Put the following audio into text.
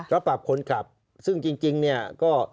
ก็ปรับคนขับซึ่งจริงเนี่ยก็